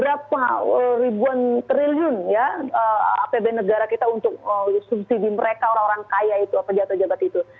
rp seribu an triliun ya apb negara kita untuk subsidi mereka orang orang kaya itu pejabat pejabat itu